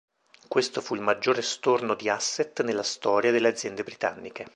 Questo fu il maggiore storno di asset nella storia delle aziende britanniche.